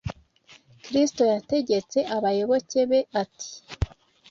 Kristo yategetse abayoboke be ati: